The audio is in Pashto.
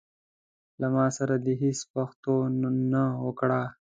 له ما سره دي هيڅ پښتو نه وکړه.